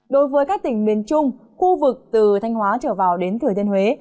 đối với các tỉnh miền trung khu vực từ thanh hóa trở vào đến thừa thiên huế